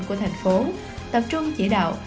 của thành phố tập trung chỉ đạo